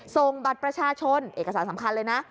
ส่งบัตรประชาชนเอกสารสำคัญเลยนะ